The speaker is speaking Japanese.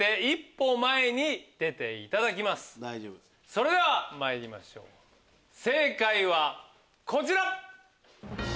それではまいりましょう正解はこちら！